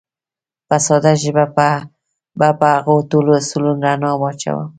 په ساده ژبه به په هغو ټولو اصولو رڼا واچوو.